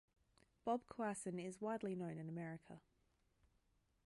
Bob Coassin is widely known in America.